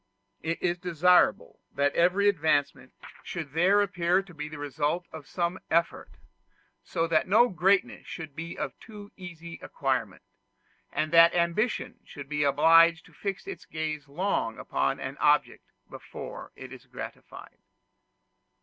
It is desirable that every advancement should there appear to be the result of some effort; so that no greatness should be of too easy acquirement, and that ambition should be obliged to fix its gaze long upon an object before it is gratified.